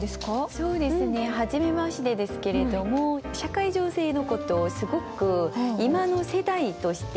そうですねはじめましてですけれども社会情勢のことをすごく今の世代として代弁してる。